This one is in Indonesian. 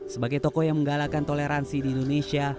sebagai tokoh yang menggalakan toleransi di indonesia